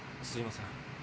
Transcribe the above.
すいません。